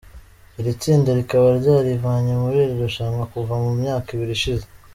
Iri tsinda rikaba ryarivanye muri iri rushanwa kuva mu myaka ibiri ishize.